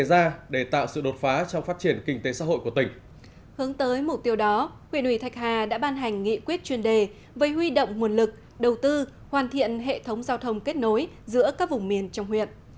hướng tới mục tiêu đó huyện ủy thạch hà đã ban hành nghị quyết chuyên đề về huy động nguồn lực đầu tư hoàn thiện hệ thống giao thông kết nối giữa các vùng miền trong huyện